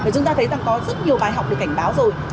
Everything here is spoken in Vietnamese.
chúng ta thấy rằng có rất nhiều bài học được cảnh báo rồi